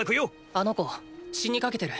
あの子死にかけてる。